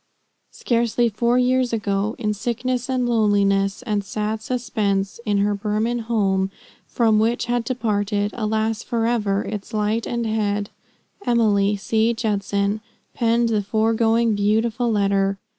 Scarcely four years ago, in sickness and loneliness, and sad suspense, in her Burman home, from which had departed (alas, forever!) its light and head Emily C. Judson penned the foregoing beautiful letter.